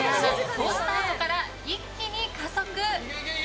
好スタートから一気に加速！